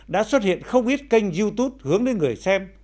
đã xuất hiện không ít kênh youtube hướng đến người xem